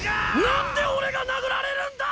何で俺が殴られるんだ！？